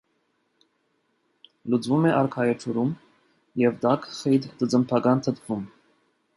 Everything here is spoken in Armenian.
Լուծվում է արքայաջրում և տաք, խիտ ծծմբական թթվում։